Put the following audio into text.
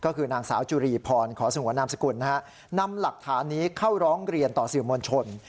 ก็คือนางสาวจุรีพรขอสงวนนามสกุลนะฮะนำหลักฐานนี้เข้าร้องเรียนต่อสื่อมวลชน